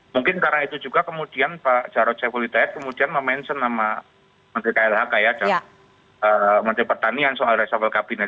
mungkin karena itu juga kemudian pak jarodsewulidaya kemudian mention sama menteri klhk ya menteri pertanian soal resafel kabinet